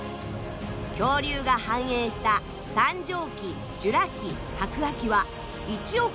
恐竜が繁栄した三畳紀ジュラ紀白亜紀は１億６，０００万年。